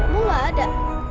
bu gak ada